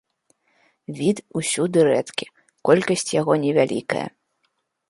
Від усюды рэдкі, колькасць яго невялікая.